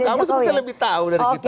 kamu sepertinya lebih tahu dari kita